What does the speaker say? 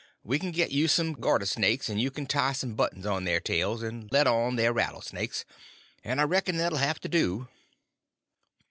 We can get you some garter snakes, and you can tie some buttons on their tails, and let on they're rattlesnakes, and I reckon that 'll have to do."